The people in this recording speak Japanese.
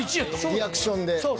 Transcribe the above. リアクションで。